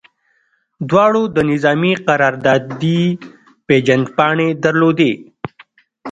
دواړو د نظامي قراردادي پیژندپاڼې درلودې